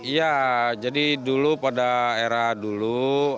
iya jadi dulu pada era dulu